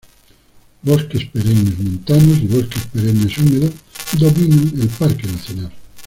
Bosques perennes montanos y bosques perennes húmedos dominan el parque nacional.